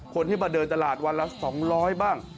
คนที่มาเดินตลาดวันละ๒๐๐บ้าง